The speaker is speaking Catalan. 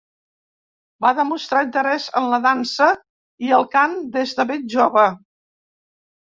Va demostrar interès en la dansa i el cant des de ben jove.